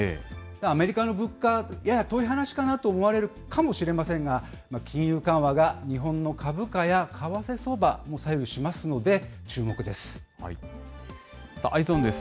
アメリカの物価、やや遠い話かなと思われるかもしれませんが、金融緩和が日本の株価や為替相場も左右しますので注目です。